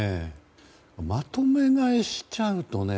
まとめ買いしちゃうとね